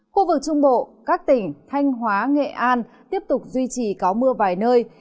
khu vực trung bộ các tỉnh thanh hóa nghệ an tiếp tục duy trì có mưa vài nơi